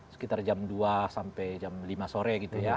sekitar jam dua sampai jam lima sore